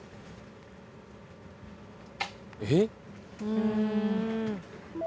「えっ？」